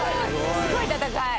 すごい戦い。